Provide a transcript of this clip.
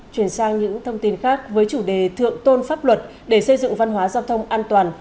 chuyển sang những thông tin khác với chủ đề thượng tôn pháp luật để xây dựng văn hóa giao thông an toàn